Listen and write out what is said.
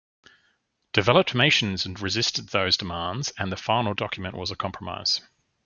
Developed nations resisted those demands, and the final document was a compromise.